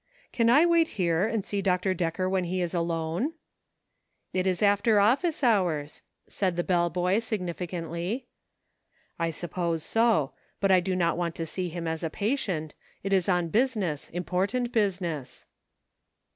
" Can I wait here and see Dr. Decker when he is alone .''"" It is after office hours," said the bell boy, significantly. " I suppose so ; but I do not want to see him as a patient ; it is on business, important business."